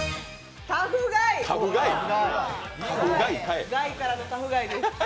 ガイからのタフガイです。